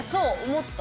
思った。